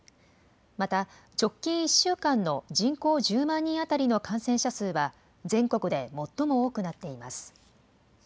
また、直近１週間の人口１０万人当たりの感染者数は、全国で最も多くなっています。